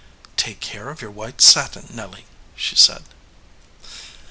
"Take care of your white satin, Nelly," she said.